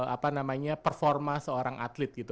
apa namanya performa seorang atlet gitu